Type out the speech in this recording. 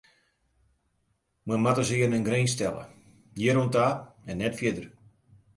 Men moat dus earne in grins stelle: hjir oan ta en net fierder.